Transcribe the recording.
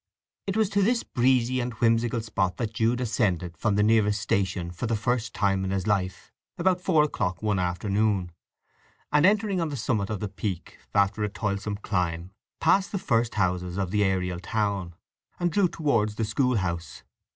It was to this breezy and whimsical spot that Jude ascended from the nearest station for the first time in his life about four o'clock one afternoon, and entering on the summit of the peak after a toilsome climb, passed the first houses of the aerial town; and drew towards the school house.